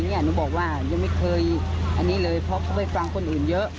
หนูบอกว่ายังไม่เคยอันนี้เลยเพราะเขาไปฟังคนอื่นเยอะ